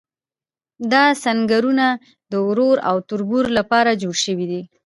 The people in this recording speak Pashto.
دا سنګرونه د ورور او تربور لپاره جوړ شوي دي.